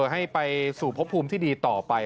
ให้ไปสู่พบภูมิที่ดีต่อไป